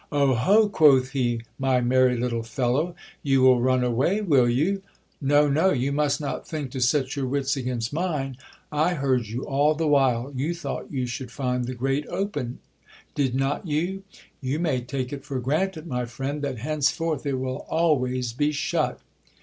Oh, ho ! quoth he, my merry little fellow, you will run away, will you ? No, no ! you must not think to set your wits against mine. I heard you all the while. You thought you should find the grate open, did not you? You may take it for granted, my friend, that henceforth it will always be shut.